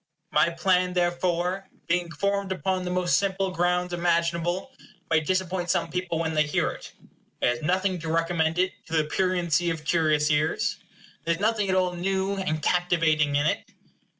My plan, therefore, being formed upon the most simple grounds imaginable, may disappoint some people when they hear it. It has nothing to recommend it to the pruriency of curious ears. There is nothing at all new and captivating in it.